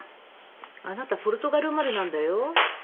あなたポルトガル生まれなんだよ。